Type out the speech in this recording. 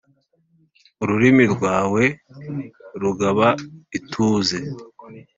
ururimi rwawe rugaba ituze